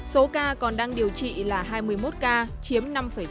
số ca còn đang điều trị là hai mươi một ca chiếm năm sáu